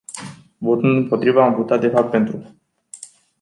Votând împotrivă, am votat de fapt pentru.